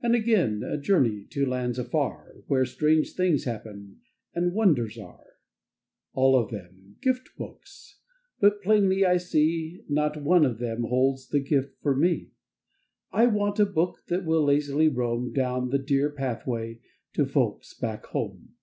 And again a journey To lands afar, Where strange things happen, And wonders are. All of them — Gift books But plainly I see, Not one of them holds The gift for me. I want a book That will lazily roam Down the dear Pathway To Folks back home.